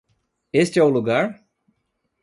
Este é o lugar?